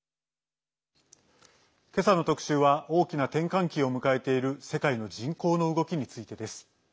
今朝の特集は大きな転換期を迎えている世界の人口の動きについてです。